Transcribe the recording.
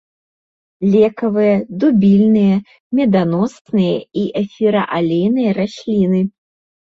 Лекавыя, дубільныя, меданосныя і эфіраалейныя расліны.